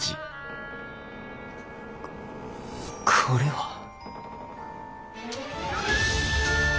これは。